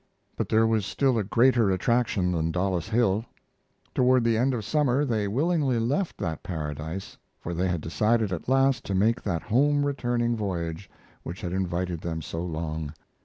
But there was still a greater attraction than Dollis Hill. Toward the end of summer they willingly left that paradise, for they had decided at last to make that home returning voyage which had invited them so long.